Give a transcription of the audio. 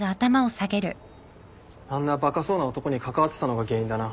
あんなバカそうな男に関わってたのが原因だな。